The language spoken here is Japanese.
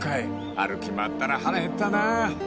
［歩き回ったら腹減ったなあ］